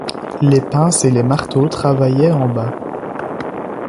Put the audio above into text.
Les pinces et les marteaux travaillaient en bas.